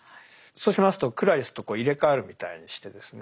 そうしますとクラリスと入れ代わるみたいにしてですね